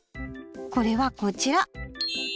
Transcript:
これはこちら。